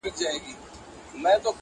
o دښمن مړ که، مړانه ئې مه ورکوه!